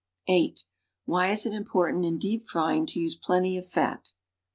(8) Why is it important in deep frying to use plenty of fat.'